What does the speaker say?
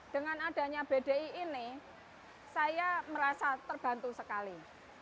dengan adanya bdi ini saya merasa terbantu sekali